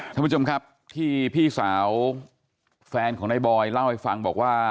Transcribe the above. ท่านผู้ชมครับที่พี่สาวแฟนของนายบอยเล่าให้ฟังบอกว่า